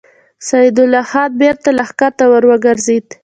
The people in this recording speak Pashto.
سيدال خان بېرته لښکر ته ور وګرځېد.